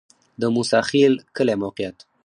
د موسی خیل کلی موقعیت